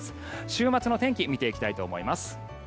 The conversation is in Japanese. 週末の天気見ていきたいと思います。